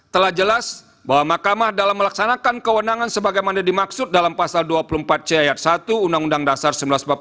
telah jelas bahwa mahkamah dalam melaksanakan kewenangan sebagaimana dimaksud dalam pasal dua puluh empat c ayat satu undang undang dasar seribu sembilan ratus empat puluh lima